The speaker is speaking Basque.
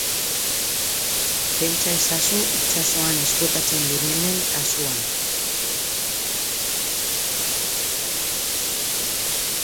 Pentsa ezazu itsasoan ezkutatzen direnen kasuan.